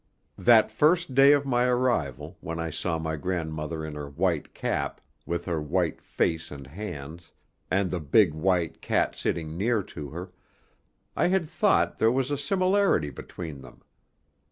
That first day of my arrival, when I saw my grandmother in her white cap, with her white face and hands, and the big white cat sitting near to her, I had thought there was a similarity between them.